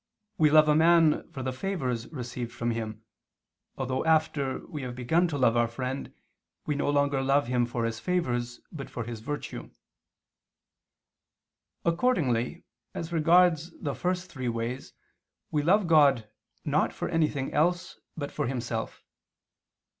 we love a man for the favors received from him, although after we have begun to love our friend, we no longer love him for his favors, but for his virtue. Accordingly, as regards the first three ways, we love God, not for anything else, but for Himself.